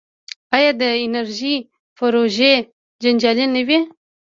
آیا د انرژۍ پروژې جنجالي نه دي؟